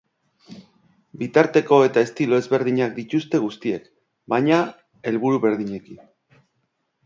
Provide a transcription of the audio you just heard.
Bitarteko eta estilo ezberdinak dituzte guztiek, baina helburu berdinekin.